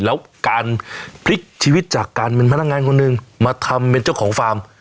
แล้วการพลิกชีวิตจากการเป็นพนักงานคนหนึ่งมาทำเป็นเจ้าของฟาร์ม